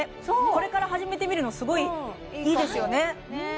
これから始めてみるのすごいいいですよね